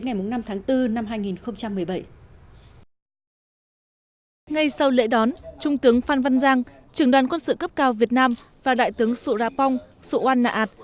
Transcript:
ngay sau lễ đón trung tướng phan van giang trưởng đoàn quân sự cấp cao việt nam và đại tướng su ra pong su wan naat